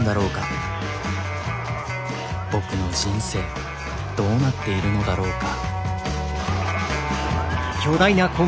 僕の人生どうなっているのだろうか。